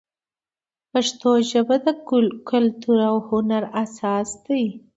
پښتو ژبه د کلتور او هنر اساس دی.